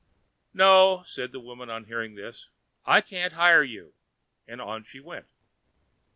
"No," said the woman on hearing this, "I can't hire you," and on she went.